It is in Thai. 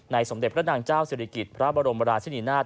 สมเด็จพระนางเจ้าศิริกิจพระบรมราชินีนาฏ